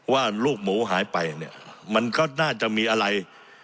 ว่าลูกหมูหายไปเนี่ยมันก็น่าจะมีอะไร